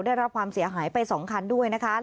ได้รับความเสียหายไป๒คันด้วยนะคะ